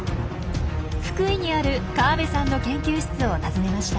福井にある河部さんの研究室を訪ねました。